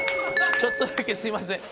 ちょっとだけすいません。